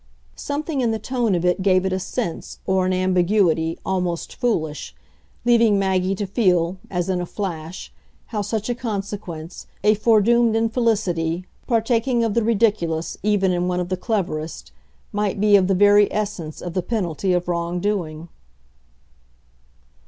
Something in the tone of it gave it a sense, or an ambiguity, almost foolish leaving Maggie to feel, as in a flash, how such a consequence, a foredoomed infelicity, partaking of the ridiculous even in one of the cleverest, might be of the very essence of the penalty of wrong doing.